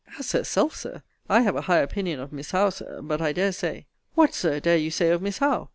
As herself, Sir! I have a high opinion of Miss Howe, Sir but, I dare say What, Sir, dare you say of Miss Howe!